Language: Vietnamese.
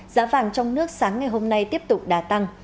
giá vàng trong nước sáng ngày hôm nay tiếp tục đà tăng